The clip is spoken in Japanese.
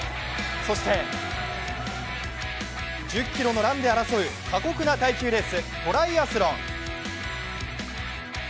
そして１０ｋｍのランで争う過酷な耐久レーストライアスロン。